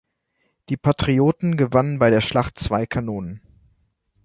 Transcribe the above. Die Patrioten gewannen bei der Schlacht zwei Kanonen.